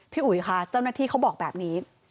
อุ๋ยค่ะเจ้าหน้าที่เขาบอกแบบนี้